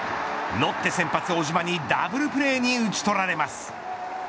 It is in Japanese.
ロッテ先発小島にダブルプレーに打ち取られます。